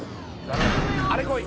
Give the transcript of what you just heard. あれこい。